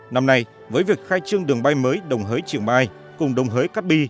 năm nay với việc khai trương đường bay mới đồng hới chiềng mai cùng đồng hới cát bi